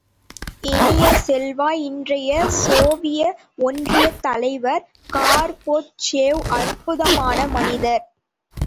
இனிய செல்வ, இன்றைய சோவியத் ஒன்றியத் தலைவர் கார்பொச்சேவ் அற்புதமான மனிதர்!